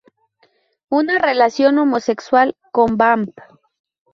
Una relación homosexual con Vamp.